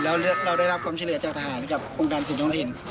แล้วเราได้รับความช่วยเหลือจากทหารกับองค์การสินทรงถิ่น